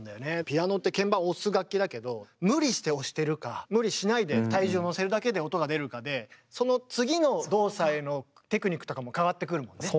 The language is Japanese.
ピアノって鍵盤押す楽器だけど無理して押してるか無理しないで体重をのせるだけで音が出るかでその次の動作へのテクニックとかも変わってくるもんね？